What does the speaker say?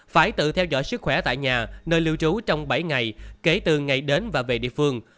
phải tự theo dõi sức khỏe tại nhà nơi lưu trú trong bảy ngày kể từ ngày đến và về địa phương